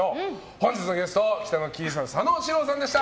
本日のゲスト北乃きいさん佐野史郎さんでした。